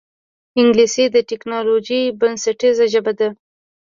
انګلیسي د ټکنالوجۍ بنسټیزه ژبه ده